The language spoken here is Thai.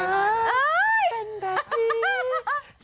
เป็นแบบนี้